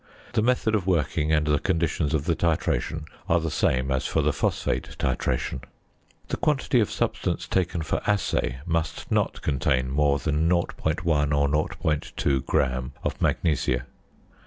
The method of working and the conditions of the titration are the same as for the phosphate titration. The quantity of substance taken for assay must not contain more than 0.1 or 0.2 gram of magnesia.